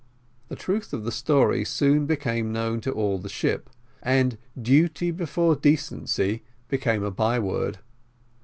The truth of the story soon became known to all the ship, and "duty before decency" became a by word.